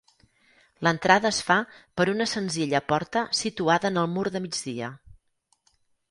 L'entrada es fa per una senzilla porta situada en el mur de migdia.